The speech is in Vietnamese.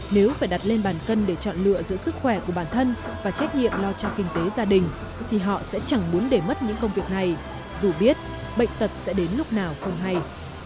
nếu phải đặt lên bàn cân để chọn lựa giữa sức khỏe của bản thân và trách nhiệm lo cho kinh tế gia đình thì họ sẽ chẳng muốn để mất những công việc này dù biết bệnh tật sẽ đến lúc nào không hay